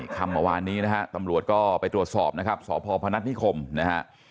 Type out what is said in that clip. คำเมื่อวานนี้นะฮะตำรวจก็ไปตรวจสอบนะครับสพพนัฐนิคมนะฮะ